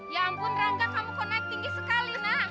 ya ampun rangga kamu kok naik tinggi sekali